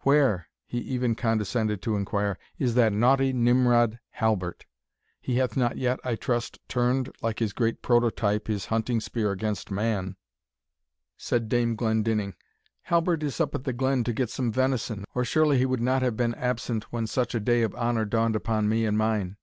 "Where," he even condescended to inquire, "is that naughty Nimrod, Halbert? He hath not yet, I trust, turned, like his great prototype, his hunting spear against man!" "O no, an it please your reverence," said Dame Glendinning, "Halbert is up at the glen to get some venison, or surely he would not have been absent when such a day of honour dawned upon me and mine."